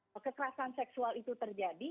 kekerasan seksual itu terjadi